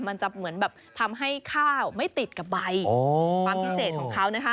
มันจะเหมือนแบบทำให้ข้าวไม่ติดกับใบความพิเศษของเขานะคะ